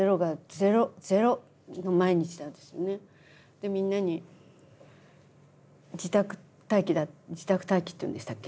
でみんなに自宅待機だ自宅待機っていうんでしたっけ？